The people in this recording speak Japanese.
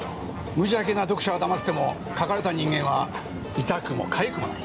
無邪気な読者はだませても書かれた人間は痛くも痒くもない。